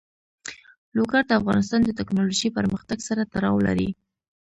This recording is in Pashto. لوگر د افغانستان د تکنالوژۍ پرمختګ سره تړاو لري.